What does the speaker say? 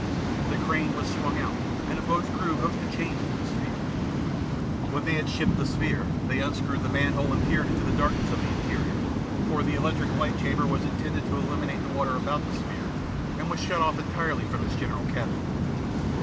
The crane was swung out and a boat's crew hooked the chain to the sphere. When they had shipped the sphere, they unscrewed the manhole and peered into the darkness of the interior (for the electric light chamber was intended to illuminate the water about the sphere, and was shut off entirely from its general cavity).